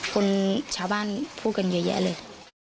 คนชาวบ้านพูดกันเยอะแยะเลย